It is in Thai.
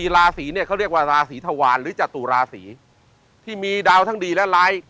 ราศีเนี่ยเขาเรียกว่าราศีธวารหรือจตุราศีที่มีดาวทั้งดีและร้าย